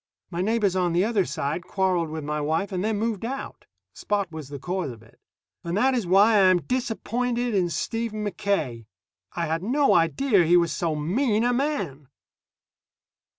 My neighbors on the other side quarreled with my wife and then moved out. Spot was the cause of it. And that is why I am disappointed in Stephen Mackaye. I had no idea he was so mean a man.